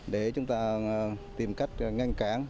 để chúng ta tìm cách ngăn cản